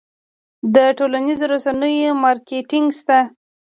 د ټولنیزو رسنیو مارکیټینګ شته؟